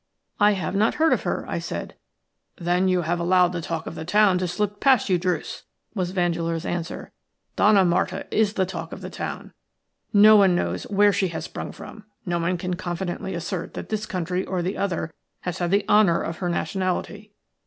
"I have not heard of her," I said. "Then you have allowed the talk of the town to slip past you, Druce," was Vandeleur's answer. "Donna Marta is the talk of the town. No one knows where she has sprung from; no one can confidently assert that this country or the other has had the honour of her nationality.